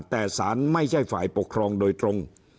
แต่สารไม่ใช่ฝ่ายปกครองโดยตรง